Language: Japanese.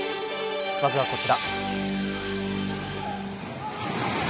まずは、こちら。